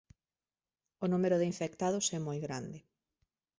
O número de infectados é moi grande